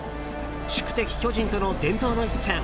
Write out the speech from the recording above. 宿敵・巨人との伝統の一戦。